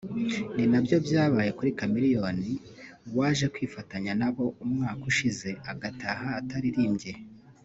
ni nabyo byabaye kuri Chameleone waje kwifatanya na bo umwaka ushize agataha ataririmbye